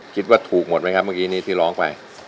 คิดว่าถูกหมดไหมครับติดร้องไป